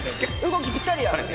動きぴったりや！